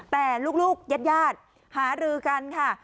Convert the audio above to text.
แต่ลูกญาติหารือกันค่ะ